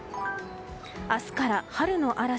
明日から春の嵐。